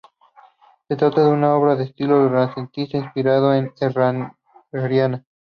Se trata de una obra de estilo renacentista e inspiración herreriana.